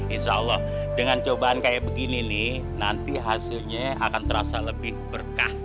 insya allah dengan cobaan kayak begini nih nanti hasilnya akan terasa lebih berkah